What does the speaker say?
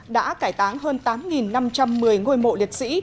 đã cải táng hơn tám năm trăm một mươi ngôi mộ liệt sĩ